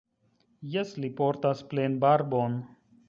Jes, li portas plenbarbon.